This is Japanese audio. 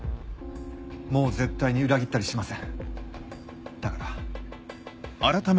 もう絶対に裏切ったりしません。